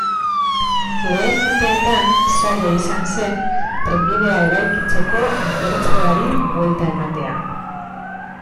Lehen urteetan zaila izan zen trenbidea eraikitzeko inbertsioari buelta ematea.